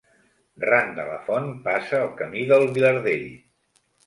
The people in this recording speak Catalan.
Ran de la font passa el Camí del Vilardell.